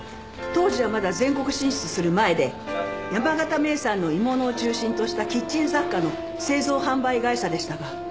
当時はまだ全国進出する前で山形名産の鋳物を中心としたキッチン雑貨の製造販売会社でしたが。